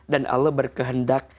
dan allah berkehendak